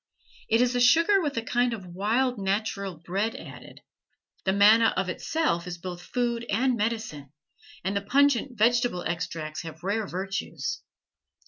It is a sugar with a kind of wild natural bread added. The manna of itself is both food and medicine, and the pungent vegetable extracts have rare virtues.